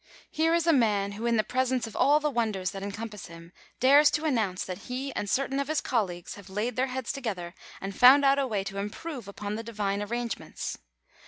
Here is a man who, in the presence of all the wonders that encompass him, dares to announce that he and certain of his colleagues have laid their heads together and found out a way to improve upon the Divine arrangements